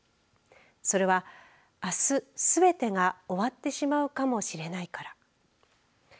それは、あすすべてが終わってしまうかもしれないから。